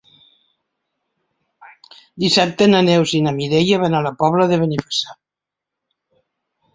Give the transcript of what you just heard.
Dissabte na Neus i na Mireia van a la Pobla de Benifassà.